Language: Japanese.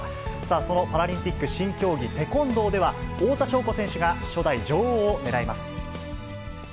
そのパラリンピック新競技、テコンドーでは、太田渉子選手が、初代女王を狙います。